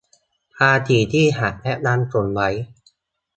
ภาษีที่หักและนำส่งไว้